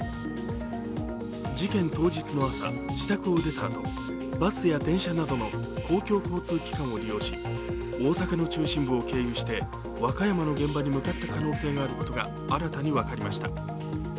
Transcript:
事件当日の朝、自宅を出たあとバスや電車などの公共交通機関を利用し大阪の中心部を経由して和歌山の現場に向かった可能性があることが新たに分かりました。